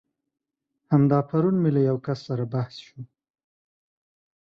همدا پرون مې له يو کس سره بحث شو.